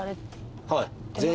はい。